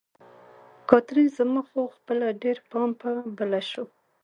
کاترین: زما خو خپله ډېر پام په بله شو.